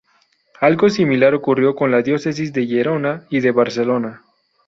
Algo similar ocurrió con las diócesis de Gerona y de Barcelona.